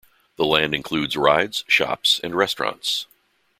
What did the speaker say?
The land includes rides, shops, and restaurants.